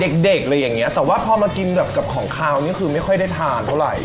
เด็กเด็กอะไรอย่างเงี้ยแต่ว่าพอมากินแบบกับของขาวนี่คือไม่ค่อยได้ทานเท่าไหร่